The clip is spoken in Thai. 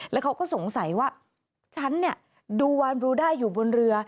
แล้วเขาก็สงสัยว่าฉันเนี่ยดูวานบรูด้าอยู่บนเรือ